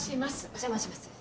お邪魔します。